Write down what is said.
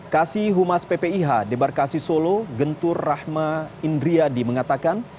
kasi humas ppih debar kasi solo gentur rahma indriyadi mengatakan